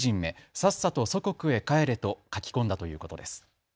さっさと祖国へ帰れと書き込んだということです。